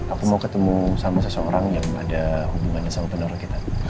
aku mau ketemu sama seseorang yang ada hubungannya sama pendorong kita